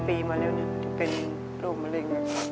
ปีมาแล้วเป็นโรคมะเร็ง